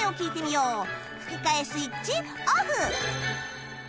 吹き替えスイッチオフ！